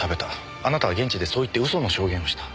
あなたは現地でそう言って嘘の証言をした。